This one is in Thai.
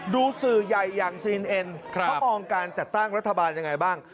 ดูสื่อใหญ่อย่างซีนเอ็นเขามองการจัดตั้งรัฐบาลยังไงบ้าง